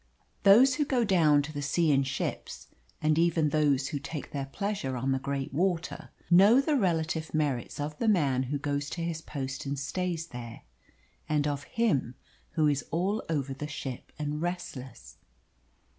Those who go down to the sea in ships, and even those who take their pleasure on the great water, know the relative merits of the man who goes to his post and stays there, and of him who is all over the ship and restless.